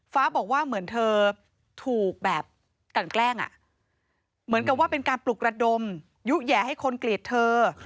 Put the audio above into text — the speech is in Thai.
ฟ้าบอกว่าเหมือนเธอถูกแบบกันแกล้งเหมือนกับว่าเป็นการปลุกระดมยุแหย่ให้คนเกลียดเธอ